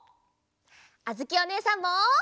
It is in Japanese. あづきおねえさんも。